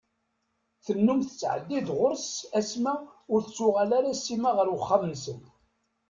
Tennum tattɛedday-d ɣur-s asma ur tettuɣal ara Sima ɣer uxxam-nsen.